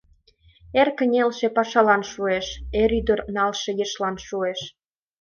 Эр кынелше пашалан шуэш, эр ӱдыр налше ешлан шуэш.